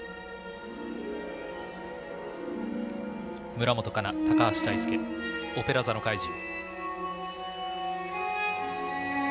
村元哉中高橋大輔「オペラ座の怪人」。